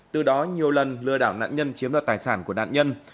từ đó nhiều lần lừa đảo nạn nhân chiếm đoạt tài sản của nạn nhân